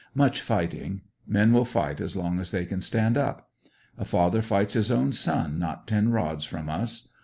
Much fighting. Men will fight as long as they can stand up. A father fights his own son not ten rods from us.